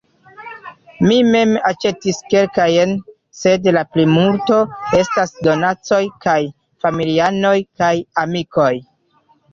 Mi mem aĉetis kelkajn, sed la plimulto estas donacoj de familianoj kaj amikoj.